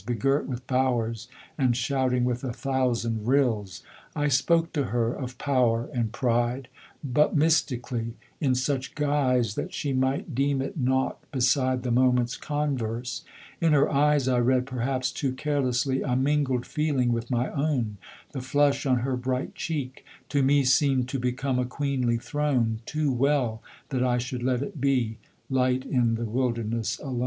begirt with bowers, And shouting with a thousand rills. I spoke to her of power and pride, But mystically in such guise That she might deem it nought beside The moment's converse; in her eyes I read, perhaps too carelessly A mingled feeling with my own The flush on her bright cheek, to me Seem'd to become a queenly throne Too well that I should let it be Light in the wilderness alone.